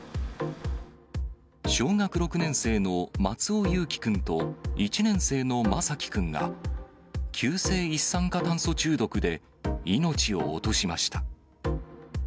小学６年生の松尾侑城君と１年生の眞輝君が、急性一酸化炭素中毒で命を落としました。